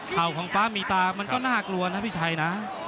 เข่าของฟ้ามีตามันก็น่ากลัวนะพี่ชัยนะ